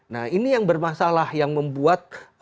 nah ini yang bermasalah yang membuat